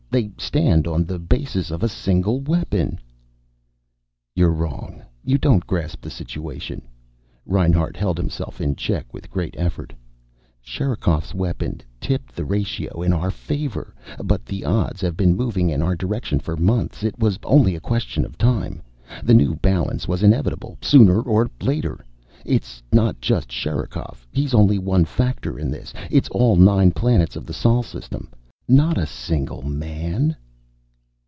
They stand on the basis of a single weapon." "You're wrong. You don't grasp the situation." Reinhart held himself in check with great effort. "Sherikov's weapon tipped the ratio in our favor. But the odds have been moving in our direction for months. It was only a question of time. The new balance was inevitable, sooner or later. It's not just Sherikov. He's only one factor in this. It's all nine planets of the Sol System not a single man."